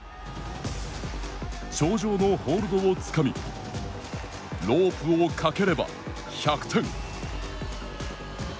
頂上のホールドをつかみロープをかければ１００点。